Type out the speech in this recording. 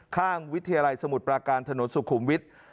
ข้างวิทยาลัยสมุทรปราการถนนสุขุมวิทย์